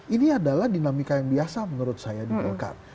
ini adalah dinamika yang biasa menurut saya di golkar